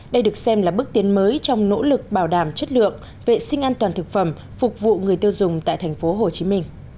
đây được xem là bước tiến mới trong nỗ lực bảo đảm chất lượng vệ sinh an toàn thực phẩm phục vụ người tiêu dùng tại tp hcm